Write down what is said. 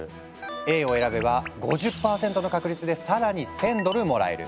Ａを選べば５０％の確率で更に１，０００ドルもらえる。